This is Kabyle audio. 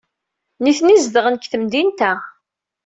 Nitni zedɣen deg temdint-a.